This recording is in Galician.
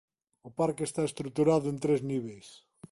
O parque está estruturado en tres niveis.